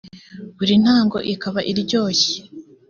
buri ntango ikaba iryoshye